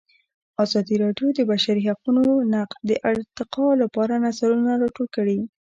ازادي راډیو د د بشري حقونو نقض د ارتقا لپاره نظرونه راټول کړي.